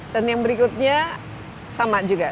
dan yang berikutnya sama juga